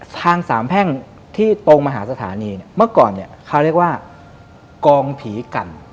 ทางสามแพ่งที่ตรงมหาสถานีเนี่ยเมื่อก่อนเนี่ยเขาเรียกว่ากองผีกัน